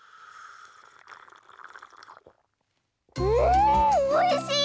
んおいしい！